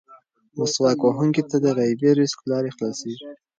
مسواک وهونکي ته د غیبي رزق لارې خلاصېږي.